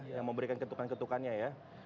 yang memberikan ketukan ketukannya ya